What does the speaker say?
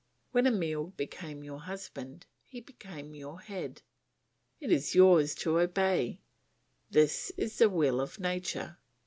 When Emile became your husband, he became your head, it is yours to obey; this is the will of nature.